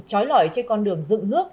trói lõi trên con đường dự nước